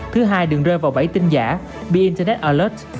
thứ hai đừng rơi vào bẫy tin giả be internet alert